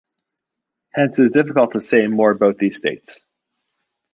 Hence it is difficult to say more about these states.